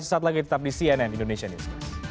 sampai jumpa lagi tetap di cnn indonesian news